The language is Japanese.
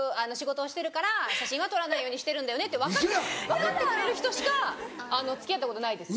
分かってくれる人しか付き合ったことないです。